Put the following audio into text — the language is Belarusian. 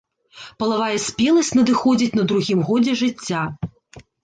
Палавая спеласць надыходзіць на другім годзе жыцця.